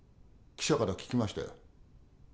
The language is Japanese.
記者から聞きましたよ。